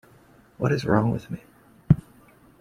What is wrong with me?